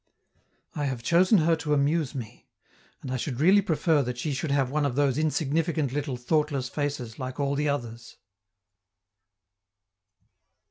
I have chosen her to amuse me, and I should really prefer that she should have one of those insignificant little thoughtless faces like all the others.